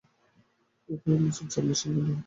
এই থম্পসন সাবমেশিনগানটা হাতে নিয়েই দেখ!